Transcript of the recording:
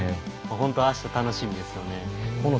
本当あした楽しみです。